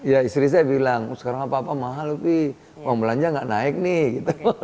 ya istri saya bilang sekarang apa apa mahal tapi uang belanja nggak naik nih gitu